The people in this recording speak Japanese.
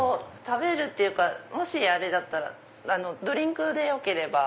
食べるっていうかあれでしたらドリンクでよければ。